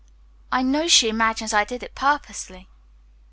"I know she imagines I did it purposely."